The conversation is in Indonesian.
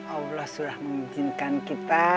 allah sudah mengizinkan kita